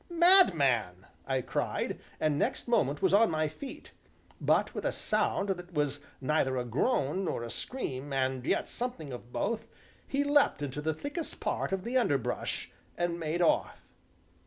"Madman!" I cried, and next moment was on my feet; but, with a sound that was neither a groan nor a scream, and yet something of both, he leapt into the thickest part of the underbrush, and made off.